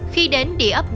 khi đến địa ấp động